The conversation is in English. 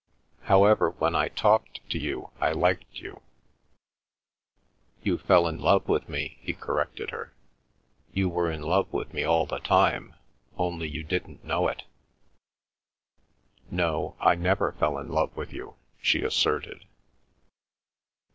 However, when I talked to you I liked you—" "You fell in love with me," he corrected her. "You were in love with me all the time, only you didn't know it." "No, I never fell in love with you," she asserted.